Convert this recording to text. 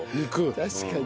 確かに。